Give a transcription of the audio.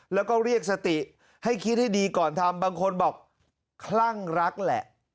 แล้วก็เรียกสติให้คิดให้ดีก่อนทำบางคนบอกคลั่งรักแหละ